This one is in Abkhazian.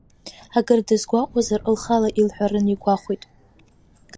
Акыр дазгәаҟуазар лхала илҳәарын игәахәит.